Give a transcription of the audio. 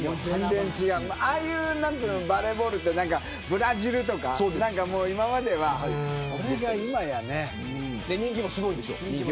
ああいうバレーボールってブラジルとか、今までは人気もすごいんでしょ。